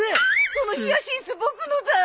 そのヒヤシンス僕のだ！